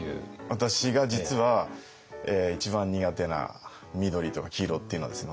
私が実は一番苦手な緑とか黄色っていうのはですね